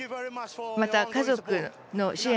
また、家族の支援